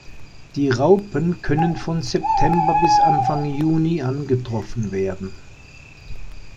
Die Raupen können von September bis Anfang Juni angetroffen werden.